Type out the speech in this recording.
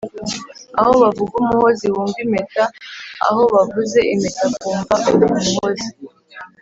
aho bavuga umuhozi wumva impeta, aho bavuze impeta ukumva umuhozi